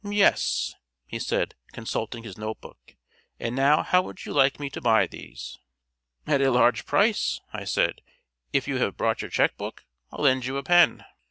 "Yes," he said, consulting his notebook. "And now how would you like me to buy these?" "At a large price," I said. "If you have brought your cheque book I'll lend you a pen."